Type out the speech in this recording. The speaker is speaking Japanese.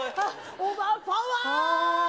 おばパワー！